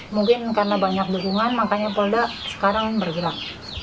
mungkin karena banyak dukungan makanya polda sekarang bergerak